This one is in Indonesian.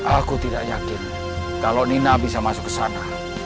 aku tidak yakin kalau nina bisa masuk ke sana